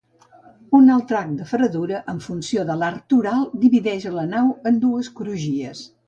Un altre arc de ferradura, en funció d'arc toral, divideix la nau en dues crugies.